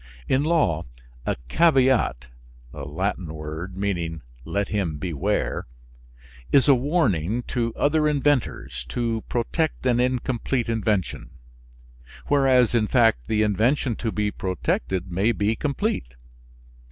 In law, a caveat (Latin word, meaning "Let him beware") is a warning to other inventors, to protect an incomplete invention; whereas in fact the invention to be protected may be complete.